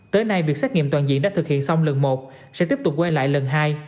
tới nay việc xét nghiệm toàn diện đã thực hiện xong lần một sẽ tiếp tục quay lại lần hai